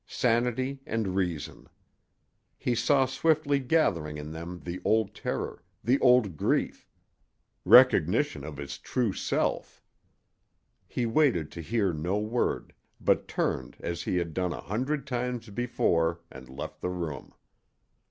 Sanity and reason. He saw swiftly gathering in them the old terror, the old grief recognition of his true self! He waited to hear no word, but turned as he had done a hundred times before and left the room.